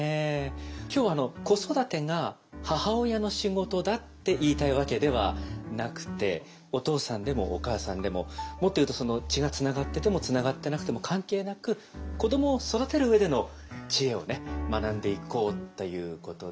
今日はあの子育てが母親の仕事だって言いたいわけではなくてお父さんでもお母さんでももっと言うと血がつながっててもつながってなくても関係なく子どもを育てる上での知恵をね学んでいこうということで。